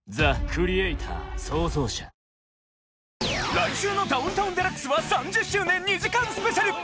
来週の『ダウンタウンＤＸ』は３０周年２時間スペシャル！